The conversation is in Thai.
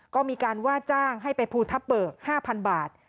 ก็มีการว่าจ้างให้ไปภูทับเบิก๕๐๐บาท